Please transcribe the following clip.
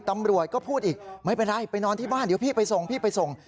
ตำรวจก็พูดอีกไม่เป็นไรไปนอนที่บ้านเดี๋ยวพี่ไปส่งพี่ไปส่ง